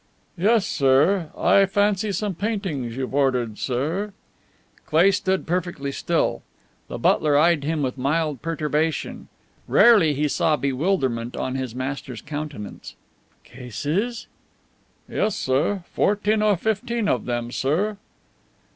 "Yes, sir. I fancy some paintings you've ordered, sir." Cleigh stood perfectly still. The butler eyed him with mild perturbation. Rarely he saw bewilderment on his master's countenance. "Cases?" "Yes, sir. Fourteen or fifteen of them, sir."